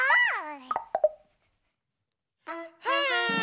はい！